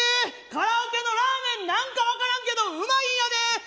カラオケのラーメンなんか、分からんけどうまいんやで！